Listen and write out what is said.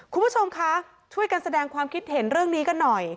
คุณผู้ชมคะช่วยกันแสดงความคิดเห็นเรื่องนี้กันหน่อย